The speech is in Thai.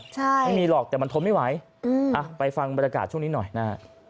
ใช่ไม่มีหรอกแต่มันทนไม่ไหวไปฟังบรรยากาศช่วงนี้หน่อยนะฮะ